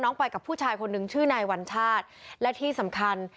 ไปกับผู้ชายคนนึงชื่อนายวัญชาติและที่สำคัญ